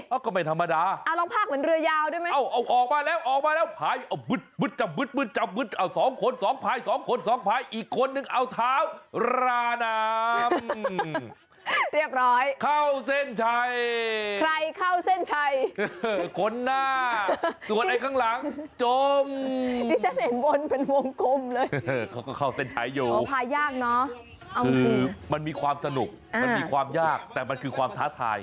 เค้าก็ไม่ธรรมดาเอาลองพากเหมือนเรือยาวด้วยไหมออกมาแล้วพายเอาบึดบึด